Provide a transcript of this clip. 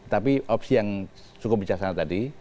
tapi opsi yang cukup bijaksana tadi